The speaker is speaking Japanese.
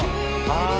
「ああ！」